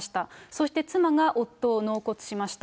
そして妻が夫を納骨しました。